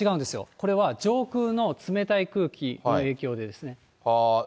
これは上空の冷たい空気の影響ですね。